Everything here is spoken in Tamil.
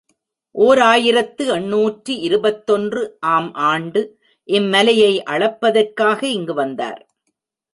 ஓர் ஆயிரத்து எண்ணூற்று இருபத்தொன்று ஆம் ஆண்டு இம் மலையை அளப்பதற்காக இங்கு வந்தார்.